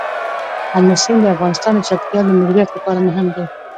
آمو سیند د افغانستان د چاپیریال د مدیریت لپاره مهم دي.